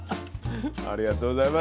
ありがとうございます。